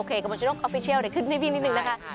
กระโมชนกออฟฟิเชียลขึ้นในวีดีโอนิกนะคะ